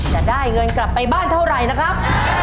จะได้เงินกลับไปบ้านเท่าไหร่นะครับ